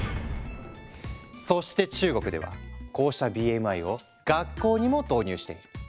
そして中国ではこうしたＢＭＩを学校にも導入している。